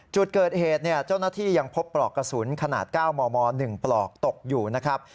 จุดเกิดเหตุเจ้าหน้าที่ยังพบปลอกกระสุนขนาด๙มม๑ปลอกตกอยู่นะครับ